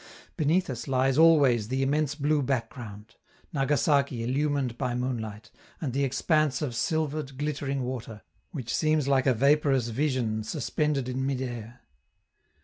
Beneath us lies always the immense blue background: Nagasaki illumined by moonlight, and the expanse of silvered, glittering water, which seems like a vaporous vision suspended in mid air.